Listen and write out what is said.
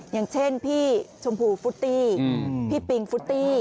อย่างเช่นพี่ชมพูฟุตตี้พี่ปิงฟุตตี้